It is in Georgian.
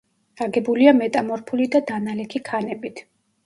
აგებულია მეტამორფული და დანალექი ქანებით.